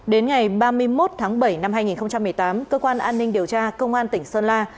đến ngày ba mươi một tháng bảy năm hai nghìn một mươi tám cơ quan an ninh điều tra công an tỉnh sơn la